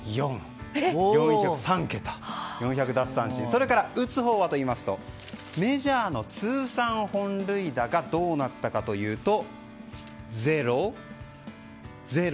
それから打つほうはといいますとメジャーの通算本塁打がどうなったかというと０、０、１。